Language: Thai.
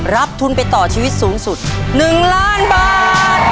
รับทุนไปต่อชีวิตสูงสุด๑ล้านบาท